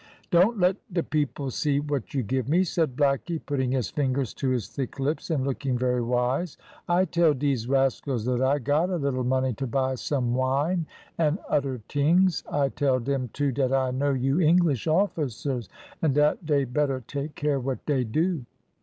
"Don't let de people see what you give me," said blackie, putting his fingers to his thick lips, and looking very wise. "I tell dese rascals that I got a little money to buy some wine, and oder tings. I tell dem too, dat I know you English officers, and dat dey better take care what dey do."